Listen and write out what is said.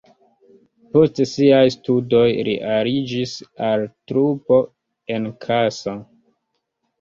Post siaj studoj li aliĝis al trupo en Kassa.